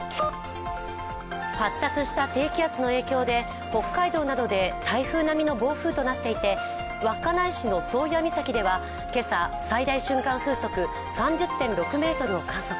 発達した低気圧の影響で、北海道などで台風並みの暴風となっていて稚内市の宗谷岬では今朝、最大瞬間風速３０．６メートルを観測。